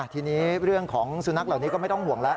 ทีนี้เรื่องของสุนัขเหล่านี้ก็ไม่ต้องห่วงแล้ว